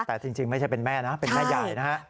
แต่จริงไม่ใช่เป็นแม่นะเป็นแม่ใหญ่นะฮะ